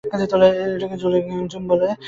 এটাকে জুলিঙ্গুয়ালিজম বলে!